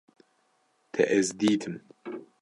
Te ez dîtim